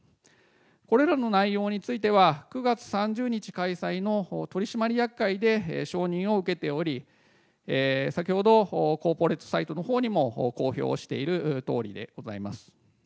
これらの内容については、９月３０日開催の取締役会で承認を受けており、先ほど、コーポレートサイトのほうにも公表しているとおりでございます。